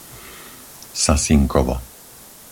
Sasinkovo